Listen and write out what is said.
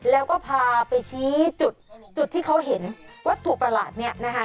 แล้วก็พาไปชี้จุดจุดที่เขาเห็นวัตถุประหลาดเนี่ยนะคะ